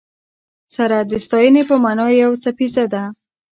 سره د ستاینې په مانا یو څپیزه ده.